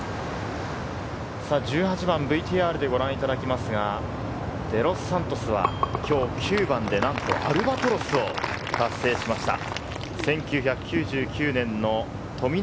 １８番ＶＴＲでご覧いただきますが、デロスサントスは今日、９番でなんとアルバトロスを達成しました。